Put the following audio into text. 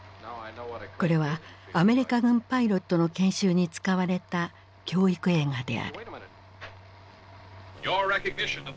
これはアメリカ軍パイロットの研修に使われた教育映画である。